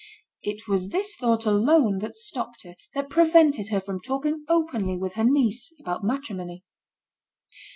It was this thought alone that stopped her, that prevented her from talking openly with her niece about matrimony.